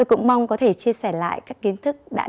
cũng như là các cái